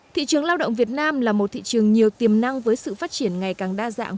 thị trường lao động việt nam là một thị trường nhiều tiềm năng với sự phát triển ngày càng đa dạng